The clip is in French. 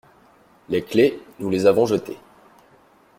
Les clefs, nous les avons jetées.